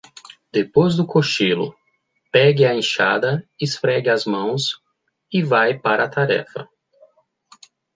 Depois do cochilo, pegue a enxada, esfregue as mãos e vai para a tarefa.